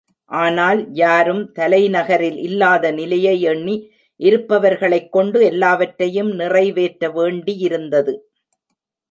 ஆனால் யாரும் தலைநகரில் இல்லாத நிலையை எண்ணி இருப்பவர்களைக் கொண்டு எல்லாவற்றையும் நிறைவேற்ற வேண்டியிருந்தது.